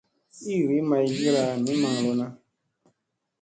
Iiri maygira ni maŋ lona.